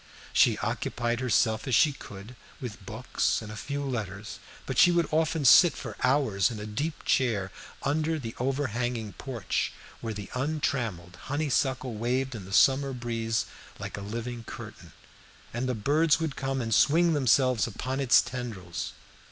She occupied herself as she could with books and a few letters, but she would often sit for hours in a deep chair under the overhanging porch, where the untrimmed honeysuckle waved in the summer breeze like a living curtain, and the birds would come and swing themselves upon its tendrils.